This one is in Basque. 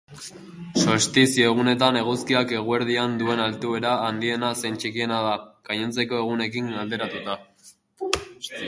Solstizio egunetan, eguzkiak eguerdian duen altuera handiena zein txikiena da, gainontzeko egunekin alderatuta.